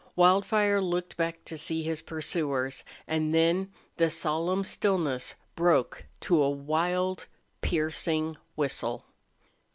Wildfire looked back to see his pursuers, and then the solemn stillness broke to a wild, piercing whistle.